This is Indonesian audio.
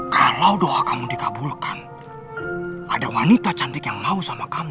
kalau doa kamu dikabulkan ada wanita cantik yang mau sama kamu